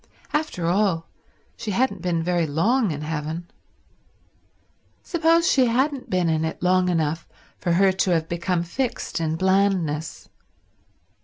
After all, she hadn't been very long in heaven. Suppose she hadn't been in it long enough for her to have become fixed in blandness?